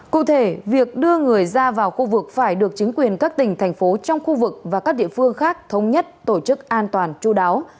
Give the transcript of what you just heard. cụ thể việc đưa người ra vào khu vực phải được chính quyền các tỉnh thành phố trong khu vực và các địa phương khác thống nhất tổ chức an toàn chú đáo